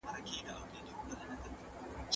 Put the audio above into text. باید د نوي څیړنو لپاره روشنې لارې چارې ولرو.